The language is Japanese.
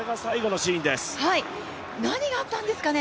何があったんですかね。